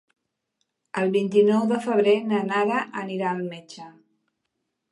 El vint-i-nou de febrer na Nara anirà al metge.